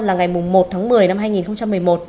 là ngày một tháng một mươi năm hai nghìn một mươi một